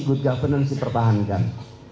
good governance dipertahankan